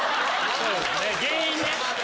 ・原因ね